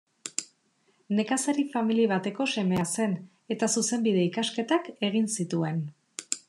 Nekazari-famili bateko semea zen, eta zuzenbide-ikasketak egin zituen.